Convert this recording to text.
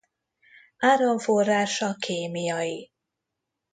Áramforrása kémiai.